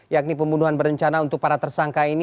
yakni pembunuhan berencana untuk para tersangkut